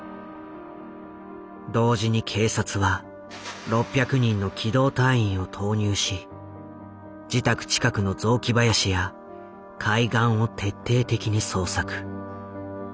同時に警察は６００人の機動隊員を投入し自宅近くの雑木林や海岸を徹底的に捜索。